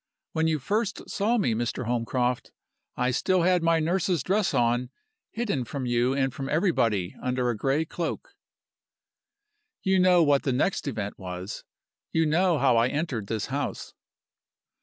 When you first saw me, Mr. Holmcroft, I still had my nurse's dress on, hidden from you and from everybody under a gray cloak. "You know what the next event was; you know how I entered this house.